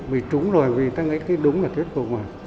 vì trúng rồi vì ta nghĩ cái đúng là thuyết phục